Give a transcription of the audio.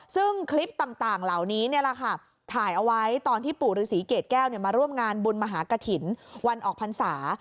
ซึ่งคลิปต่างเหล่านี้ถ่ายเอาไว้ตอนที่ปู่ฤษีเกรดแก้วมาร่วมงานบุญมหากฐินวันออกพรรษา